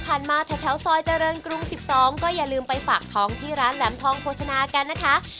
พอกินพังนอนอย่างอนุรักษ์ของเก่าไว้ให้กิน